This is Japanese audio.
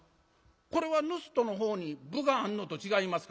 これは盗人の方に分があんのと違いますか？」。